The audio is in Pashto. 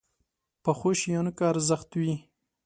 پخو شیانو کې ارزښت وي